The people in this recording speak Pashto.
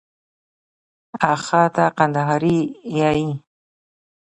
آښه ته کندهاری يې؟